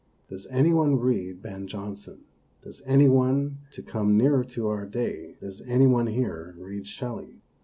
Does any one read Ben Jonson? Does any one, to come nearer to our day does any one here read Shelley?